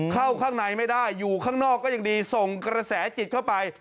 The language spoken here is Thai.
เข้าข้างในไม่ได้อยู่ข้างนอกก็ยังดีส่งกระแสจิตเข้าไป